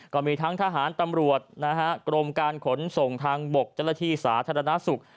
ก็มีทั้งทหารตำรวจนะฮะกรมการขนส่งทางบกเจ้าหน้าที่สาธารณสุข